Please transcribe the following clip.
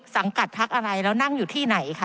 สังกัดพักอะไรแล้วนั่งอยู่ที่ไหนคะ